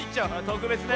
とくべつね。